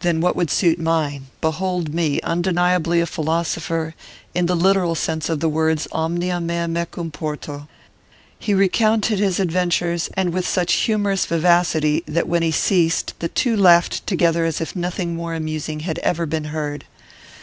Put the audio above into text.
'Then what would suit mine? Behold me, undeniably a philosopher; in the literal sense of the words omnia mea mecum porto.' He recounted his adventures, and with such humorous vivacity that when he ceased the two laughed together as if nothing more amusing had ever been heard.